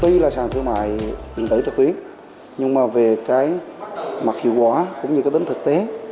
tuy là sàn thương mại điện tử trực tuyến nhưng mà về cái mặt hiệu quả cũng như cái tính thực tế